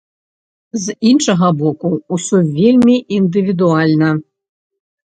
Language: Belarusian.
З іншага боку, усё вельмі індывідуальна.